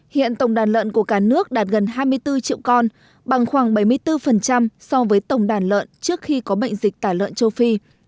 hiện tổng đàn lợn của cả nước đạt gần hai mươi bốn triệu con bằng khoảng bảy mươi bốn so với tổng đàn lợn trước khi có bệnh dịch tả lợn châu phi